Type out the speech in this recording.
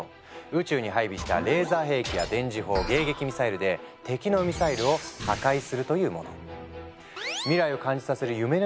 宇宙に配備したレーザー兵器や電磁砲迎撃ミサイルで敵のミサイルを破壊するというもの。